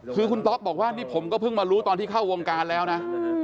คือคุณต๊อกบอกว่านี่ผมก็เพิ่งมารู้ตอนที่เข้าวงการแล้วนะ